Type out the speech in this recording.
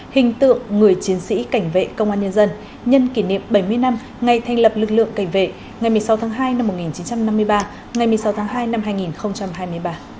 hình tượng người chiến sĩ cảnh vệ công an nhân dân nhân kỷ niệm bảy mươi năm ngày thành lập lực lượng cảnh vệ ngày một mươi sáu tháng hai năm một nghìn chín trăm năm mươi ba ngày một mươi sáu tháng hai năm hai nghìn hai mươi ba